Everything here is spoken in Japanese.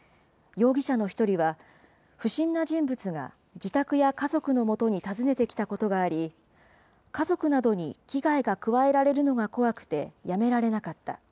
容疑者の１人は、不審な人物が自宅や家族のもとに訪ねてきたことがあり、家族などに危害が加えられるのが怖くて、やめられなかった。